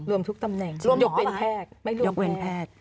รวมทุกตำแหน่งยกเว้นแพทย์ไม่ยกเว้นแพทย์